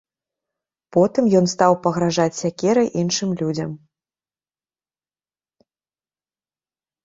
Потым ён стаў пагражаць сякерай іншым людзям.